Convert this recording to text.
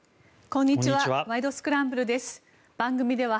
こんにちは。